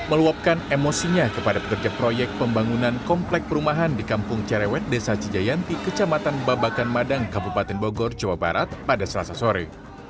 meluapkan emosinya kepada pekerja proyek pembangunan komplek perumahan di kampung cerewet desa cijayanti kecamatan babakan madang kabupaten bogor jawa barat pada selasa sore